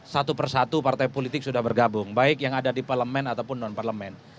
satu persatu partai politik sudah bergabung baik yang ada di parlemen ataupun non parlemen